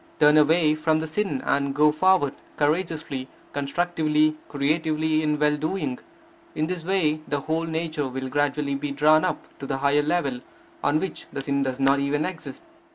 Turn away from the sin and go forward courageously, constructively, creatively, in well doing. In this way the whole nature will gradually be drawn up to the higher level, on which the sin does not even exist.